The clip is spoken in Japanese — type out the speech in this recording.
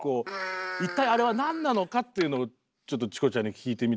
一体あれはなんなのか？っていうのをちょっとチコちゃんに聞いてみたいなと。